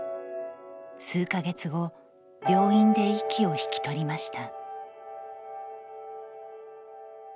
数か月後病院で息を引き取りました。